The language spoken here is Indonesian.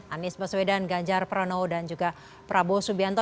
anies baswedan ganjar pranowo dan juga prabowo subianto